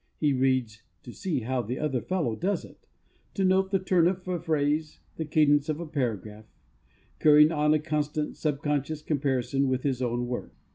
He reads "to see how the other fellow does it"; to note the turn of a phrase, the cadence of a paragraph; carrying on a constant subconscious comparison with his own work.